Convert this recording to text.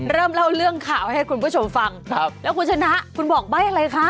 เริ่มเล่าเรื่องข่าวให้คุณผู้ชมฟังครับแล้วคุณชนะคุณบอกใบ้อะไรคะ